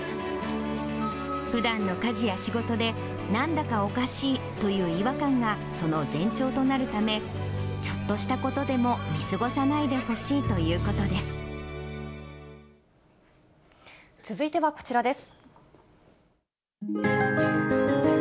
ふだんの家事や仕事でなんだかおかしいという違和感がその前兆となるため、ちょっとしたことでも見過ごさないでほしいということ続いてはこちらです。